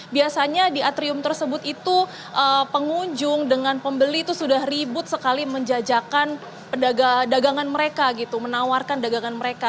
biasanya di atrium tersebut itu pengunjung dengan pembeli itu sudah ribut sekali menjajakan dagangan mereka gitu menawarkan dagangan mereka